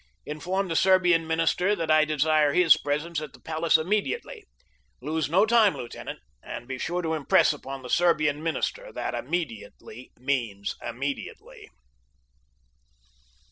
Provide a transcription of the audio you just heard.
Inform the Serbian minister that I desire his presence at the palace immediately. Lose no time, lieutenant, and be sure to impress upon the Serbian minister that immediately means immediately."